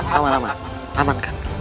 lama lama aman kan